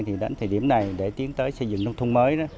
thì đến thời điểm này để tiến tới xây dựng nông thôn mới đó